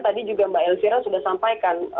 tadi juga mbak elvira sudah sampaikan